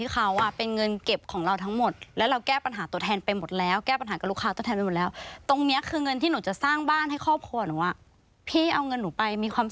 ของเกดนะคะเนื่องจากว่า